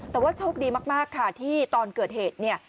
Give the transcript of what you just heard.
แต่ว่าโชคดีมากที่ตอนเหตุ